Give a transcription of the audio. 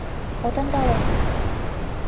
От ондале?